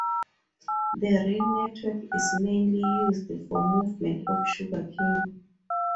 The rail network is mainly used for movement of sugar cane.